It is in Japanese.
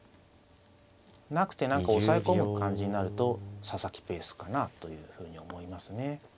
なくて何か押さえ込む感じになると佐々木ペースかなというふうに思いますね。